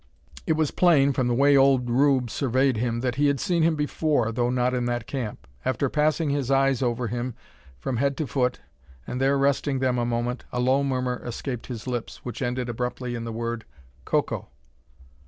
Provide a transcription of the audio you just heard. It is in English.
It was plain, from the way old Rube surveyed him, that he had seen him before, though not in that camp. After passing his eyes over him from head to foot, and there resting them a moment, a low murmur escaped his lips, which ended abruptly in the word "Coco."